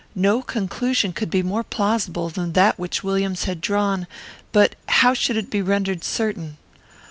No conclusion could be more plausible than that which Williams had drawn; but how should it be rendered certain?